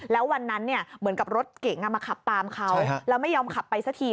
แล้ววันนั้นเหมือนกับรถเก๋งมาขับตามเขาแล้วไม่ยอมขับไปสักที